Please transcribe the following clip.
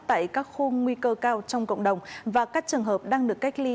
tại các khu nguy cơ cao trong cộng đồng và các trường hợp đang được cách ly